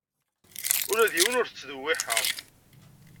Ula d yiwen ur t-ttdewwiḥeɣ.